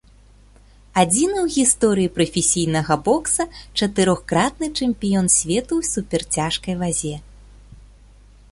Адзіны ў гісторыі прафесійнага бокса чатырохкратны чэмпіён свету ў суперцяжкай вазе.